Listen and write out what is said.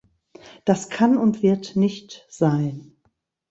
Das kann und wird nicht sein.